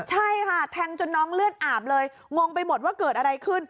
ใช่ค่ะแทงจนน้องเลือดอาบเลยงงไปหมดว่าเกิดอะไรขึ้น